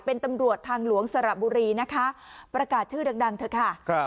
เป็นตำรวจทางหลวงสระบุรีนะคะประกาศชื่อดังดังเถอะค่ะครับ